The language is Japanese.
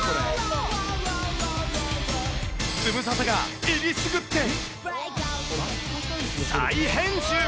ズムサタがえりすぐって、再編集。